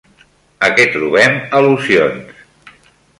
A què trobem al·lusions?